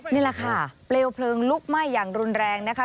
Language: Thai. นี่แหละค่ะเปลวเพลิงลุกไหม้อย่างรุนแรงนะคะ